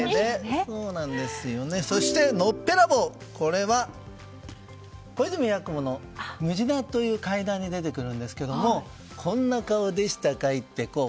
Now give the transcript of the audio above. そしてのっぺらぼうこれは小泉八雲の「狢」という怪談に出てくるんですがこんな顔でしたかい？